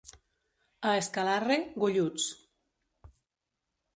A Escalarre, golluts.